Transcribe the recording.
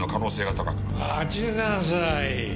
待ちなさい。